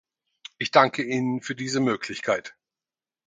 Ich danken Ihnen für diese Möglichkeit.